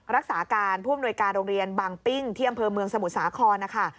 รักษาการผู้อำนวยการโรงเรียนบางปิ้งที่อำเภอเมืองสมุทรสาครนะคะ